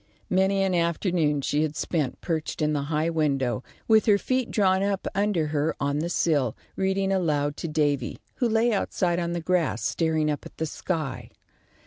Many an afternoon she had spent, perched in the high window, with her feet drawn up under her on the sill, reading aloud to Davy, who lay outside on the grass, staring up at the sky.